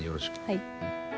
はい。